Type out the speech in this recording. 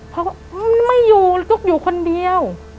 เขาก็ไม่อยู่ตุ๊กอยู่คนเดียว